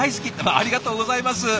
ありがとうございます！